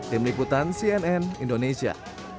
tim liputan cnn indonesia